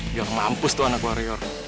biar mampus tuh anak warior